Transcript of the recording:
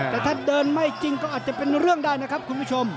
แต่ถ้าเดินไม่จริงก็อาจจะเป็นเรื่องได้นะครับคุณผู้ชม